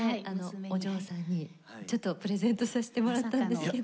お嬢さんにちょっとプレゼントさせてもらったんですけど。